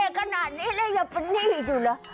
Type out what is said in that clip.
เผ็ดเก็บขนาดนี้ได้ยังไปนี่ดูละ